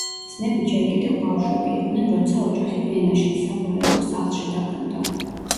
ძმები ჯერ კიდევ ბავშვები იყვნენ, როცა ოჯახი ვენაში, საგვარეულო სახლში დაბრუნდა.